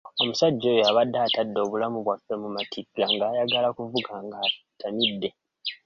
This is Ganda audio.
Omusajja oyo abadde atadde obulamu bwaffe mu matigga ng'ayagala kuvuga ng'atamidde.